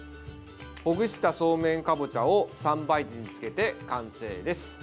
ほぐしたそうめんかぼちゃを三杯酢につけて完成です。